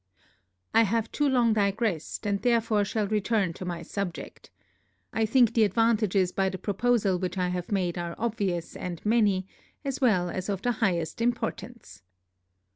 I have too long digressed, and therefore shall return to my subject. I think the advantages by the proposal which I have made are obvious and many, as well as of the highest importance.